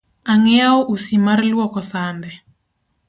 Ang’iewo usi mar luoko sande